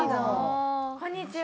こんにちは